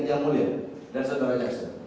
apa yang mulia dan saudara jaksa